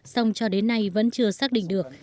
song cho đến nay vẫn chưa xác định được